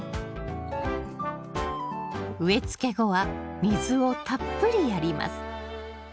植え付け後は水をたっぷりやります。